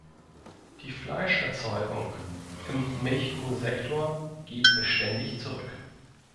Die Fleischerzeugung im Milchkuhsektor geht beständig zurück.